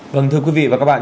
vâng thưa quý vị và các bạn